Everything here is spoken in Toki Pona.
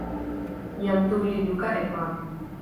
jan Tu li luka e pan.